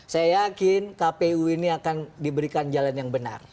saya yakin kpu ini akan diberikan jalan yang benar